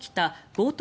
強盗